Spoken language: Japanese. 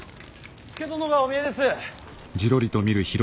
佐殿がお見えです。